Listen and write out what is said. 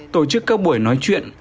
tổ chức các buổi nói chuyện